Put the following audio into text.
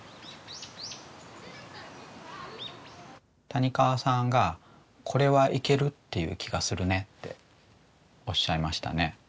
谷川さんが「これはいけるっていう気がするね」っておっしゃいましたね。